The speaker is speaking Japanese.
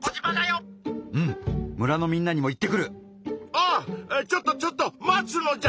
あちょっとちょっと待つのじゃ！